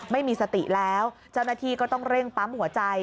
ไม่มีสติแล้วเจ้าหน้าที่ก็ต้องเร่งปั๊มหัวใจ